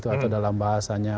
atau dalam bahasanya